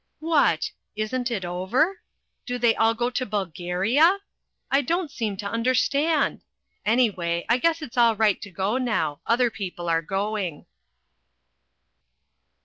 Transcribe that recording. What! Isn't it over? Do they all go to Bulgaria? I don't seem to understand. Anyway, I guess it's all right to go now. Other people are going.